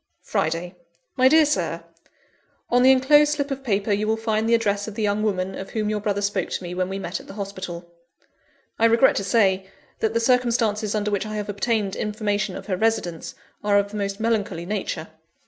"Friday. "My DEAR SIR, "On the enclosed slip of paper you will find the address of the young woman, of whom your brother spoke to me when we met at the hospital. I regret to say, that the circumstances under which I have obtained information of her residence, are of the most melancholy nature.